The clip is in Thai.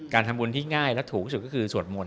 การทำบุญที่ง่ายและถูกที่สุดก็คือสวดมนต